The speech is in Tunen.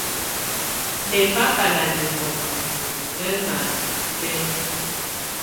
Mɛbaka nà nɛhɔnɔ mɔhɛŋa niɔ̀fɛna.